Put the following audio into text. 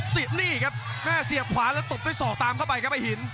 สินี่ครับแม่เสียบขวาแล้วตบด้วยศอกตามเข้าไปครับไอ้หิน